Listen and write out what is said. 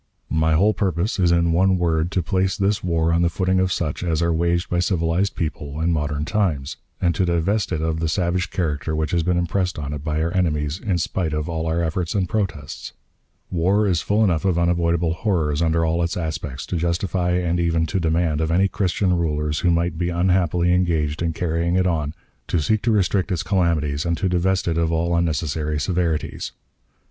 My whole purpose is in one word to place this war on the footing of such as are waged by civilized people in modern times, and to divest it of the savage character which has been impressed on it by our enemies, in spite of all our efforts and protests. War is full enough of unavoidable horrors under all its aspects, to justify and even to demand of any Christian rulers who may be unhappily engaged in carrying it on, to seek to restrict its calamities and to divest it of all unnecessary severities.